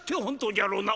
じゃろうな？